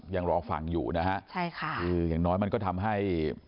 ยังรอฟังอยู่นะฮะใช่ค่ะคืออย่างน้อยมันก็ทำให้